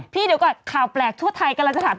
เดี๋ยวก่อนข่าวแปลกทั่วไทยกำลังจะถาม